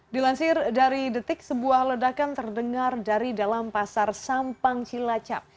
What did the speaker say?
dilansir dari detik sebuah ledakan terdengar dari dalam pasar sampang cilacap